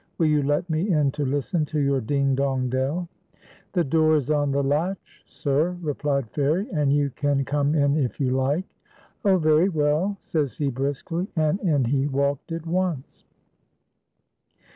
Will \ou let me in to listen to your ' Ding, dong. dell '?" "The door is on the latch, sir," replied Ivairic, "and you can come in if you like." " Oh ! very well," says he briskly, and in he walked at once.